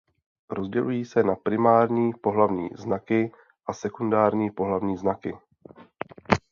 Rozdělují se na primární pohlavní znaky a sekundární pohlavní znaky.